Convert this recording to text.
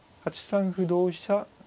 ８三歩同飛車